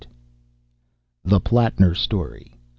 XV. THE PLATTNER STORY.